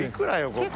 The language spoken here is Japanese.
ここ。